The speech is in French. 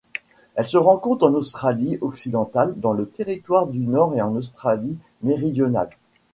Elle se rencontre en Australie-Occidentale, dans le Territoire du Nord et en Australie-Méridionale.